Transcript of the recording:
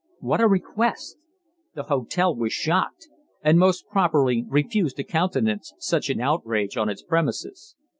What a request! The hotel was shocked, and most properly refused to countenance such an outrage on its premises.